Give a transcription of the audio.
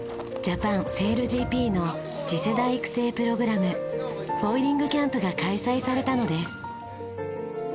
ＪａｐａｎＳａｉｌＧＰの次世代育成プログラムフォイリングキャンプが開催されたのです。